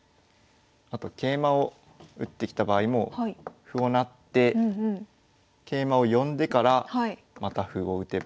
あと桂馬を打ってきた場合も歩を成って桂馬を呼んでからまた歩を打てば。